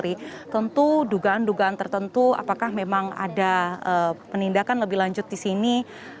jadi tentu dugaan dugaan tertentu apakah memang ada penindakan lebih lanjut disini